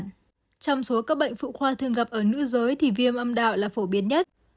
trong số các bệnh phụ khoa thường gặp ở nữ giới thì viêm âm đạo là phổ biến nhất